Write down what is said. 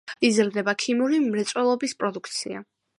იზრდება ქიმიური მრეწველობის პროდუქცია.